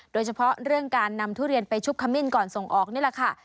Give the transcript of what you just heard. โดยเฉพาะเรื่องการนำทุเรียนไปชุบขมิ้นก่อนส่งออกนี่แหละค่ะ